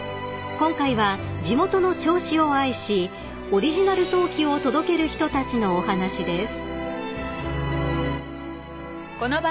［今回は地元の銚子を愛しオリジナル陶器を届ける人たちのお話です］